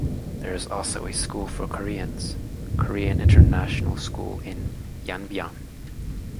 There is also a school for Koreans, Korean International School in Yanbian.